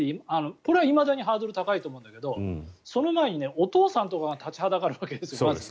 これはいまだにハードルが高いと思うんだけどその前にお父さんとかが立ちはだかるわけですよ。